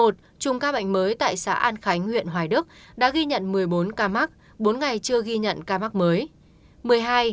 một mươi một trung ca bệnh tại xã an khánh huyện hoài đức đã ghi nhận một mươi bốn ca mắc bốn ngày chưa ghi nhận ca mắc mới